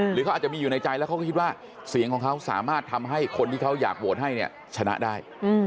หรือเขาอาจจะมีอยู่ในใจแล้วเขาก็คิดว่าเสียงของเขาสามารถทำให้คนที่เขาอยากโหวตให้เนี่ยชนะได้